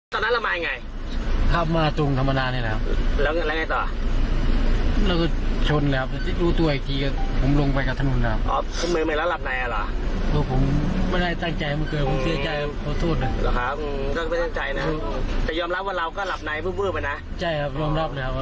ลาบในกันหรอผมไม่ได้ตั้งใจมึงเกิดผมเศียใจขอโทษนึง